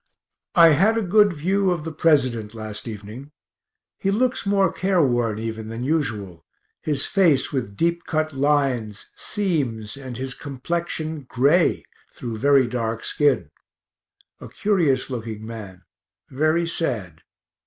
I had a good view of the President last evening. He looks more careworn even than usual, his face with deep cut lines, seams, and his complexion gray through very dark skin a curious looking man, very sad.